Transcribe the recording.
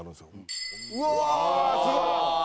うわーすごい！